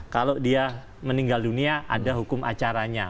kalau dia meninggal dunia ada hukum acaranya